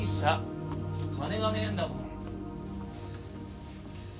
金がねえんだもん。